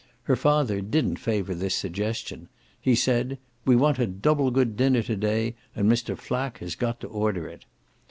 Her father didn't favour this suggestion; he said "We want a double good dinner to day and Mr. Flack has got to order it."